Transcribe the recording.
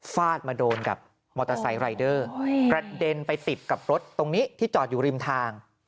ฟาดมาโดนกับมอเตอร์ไซค์รายเดอร์กระเด็นไปติดกับรถตรงนี้ที่จอดอยู่ริมทาง